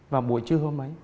và buổi trưa hôm ấy